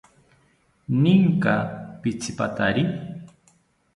Ninka pitzipatari?